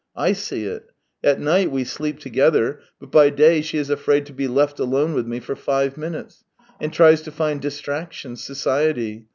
I see it. At night we sleep together, but by day she is afraid to be left alone with me for five minutes, and tries to find distraction, society.